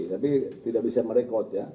tapi tidak bisa merekod